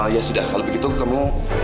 ya sudah kalau begitu kamu